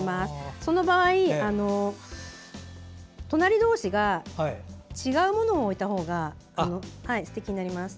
その場合、隣同士が違うものを置いたほうがすてきになります。